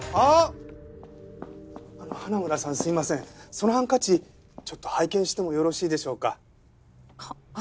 そのハンカチちょっと拝見してもよろしいでしょうか？